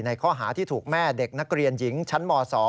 ข้อหาที่ถูกแม่เด็กนักเรียนหญิงชั้นม๒